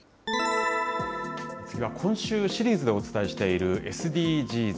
次は今週シリーズでお伝えしているＳＤＧｓ。